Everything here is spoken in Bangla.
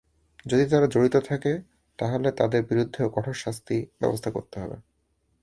যদি তারা জড়িত থাকে, তাহলে তাদের বিরুদ্ধেও কঠোর শাস্তির ব্যবস্থা করতে হবে।